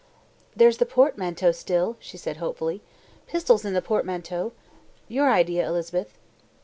"There's the portmanteau still," she said hopefully. "Pistols in the portmanteau. Your idea, Elizabeth."